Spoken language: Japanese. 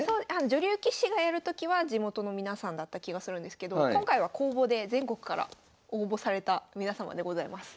女流棋士がやる時は地元の皆さんだった気がするんですけど今回は公募で全国から応募された皆様でございます。